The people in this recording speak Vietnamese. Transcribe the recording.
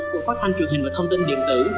cục phát thanh truyền hình và thông tin điện tử